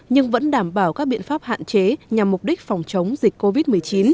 nhưng vẫn đảm bảo các biện pháp hạn chế nhằm mục đích phòng chống dịch covid một mươi chín